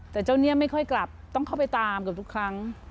แต่เจ้าเนี่ยไม่ค่อยกลับต้องเข้าไปตามเกือบทุกครั้ง